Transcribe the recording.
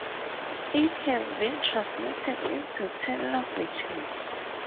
It has been translated into ten languages.